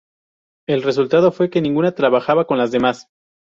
El resultado fue que ninguna trabajaba con las demás.